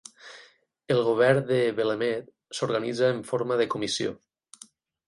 El govern de Bellemeade s'organitza en forma de comissió.